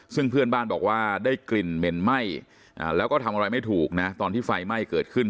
ซึ่งเพื่อนบ้านบอกว่าได้กลิ่นเหม็นไหม้แล้วก็ทำอะไรไม่ถูกนะตอนที่ไฟไหม้เกิดขึ้น